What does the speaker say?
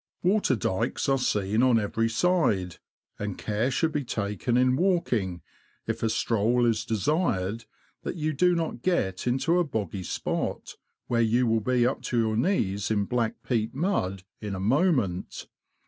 Water dykes are seen on every side, and care should be taken in walking, if a stroll is desired, that you do not get into a boggy spot, where you will be up to your knees in black peat mud in a moment.